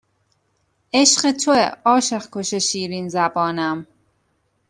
عشق توئه عاشق کش شیرین زبانم